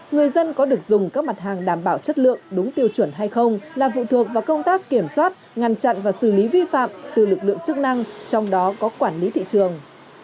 người dân có được dùng các mặt hàng đảm bảo chất lượng đúng tiêu chuẩn hay không là phụ thuộc vào công tác kiểm soát ngăn chặn và xử lý vi phạm từ lực lượng chức năng trong đó có quản lý thị trường